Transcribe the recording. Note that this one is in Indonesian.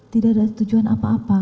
tidak ada tujuan apa apa